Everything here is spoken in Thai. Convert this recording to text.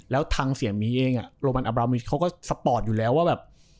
แล้วทางเสียหมีเองโรมันอับรามิสเขาก็สปอร์ตอยู่แล้วว่าแบบ